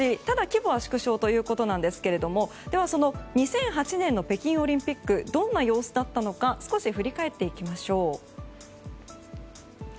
ただ規模は縮小ということですがでは、２００８年の北京オリンピックどんな様子だったのか少し振り返っていきましょう。